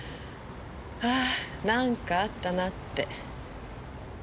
あなんかあったなって。